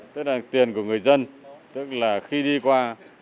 tức là tiền của người dân tức là khi đi qua